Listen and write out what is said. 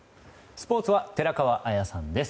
スポーツは寺川綾さんです。